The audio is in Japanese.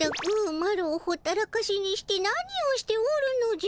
マロをほったらかしにして何をしておるのじゃ。